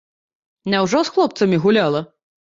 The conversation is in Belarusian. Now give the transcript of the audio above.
Няўжо ж з хлопцамі гуляла!